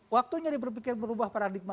waktunya dia berpikir merubah paradigma